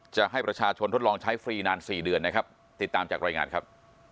จะให้ประชาชนทดลองใช้ฟรีนาน๔เดือนนะครับติดตามจากรายงานครับ